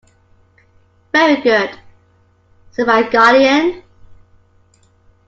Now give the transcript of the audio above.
"Very good," said my guardian.